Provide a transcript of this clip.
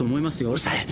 うるさい。